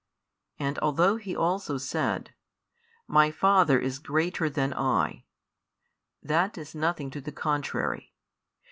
And although He also said: My Father is greater than I, that is nothing to the contrary.